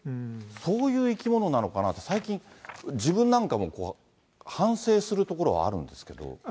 そういう生き物なのかなと、最近、自分なんかも、反省するところはあるんですけど。